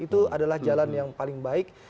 itu adalah jalan yang paling baik